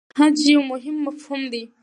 خج یو مهم مفهوم دی.